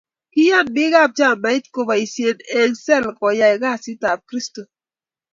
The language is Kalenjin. Kiyan biik ab chamait keboisie eng sel koyay kasit ab kristo